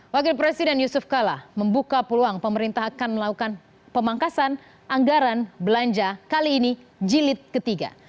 wakil presiden yusuf kala membuka peluang pemerintah akan melakukan pemangkasan anggaran belanja kali ini jilid ketiga